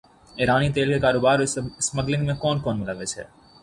ایرانی تیل کے کاروبار اور اسمگلنگ میں کون کون ملوث ہے